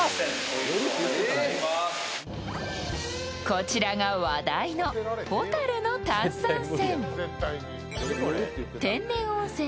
こちらが話題のほたるの炭酸泉。